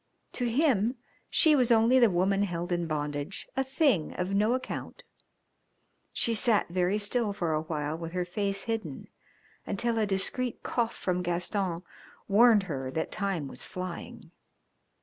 To him she was only the woman held in bondage, a thing of no account. She sat very still for a while with her face hidden, until a discreet cough from Gaston warned her that time was flying.